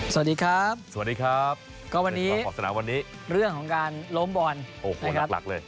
สวัสดีครับสวัสดีครับก็วันนี้ขอบสนามวันนี้เรื่องของการล้มบอลโอ้โหหลักหลักเลย